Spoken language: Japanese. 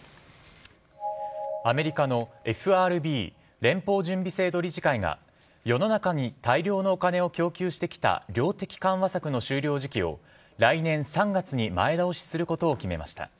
アメリカのＦＲＢ＝連邦準備制度理事会が世の中に大量のお金を供給してきた量的緩和策の終了時期を来年３月に前倒しすることを決めました。